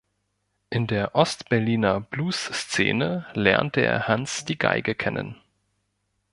In der Ost-Berliner Bluesszene lernte er Hans die Geige kennen.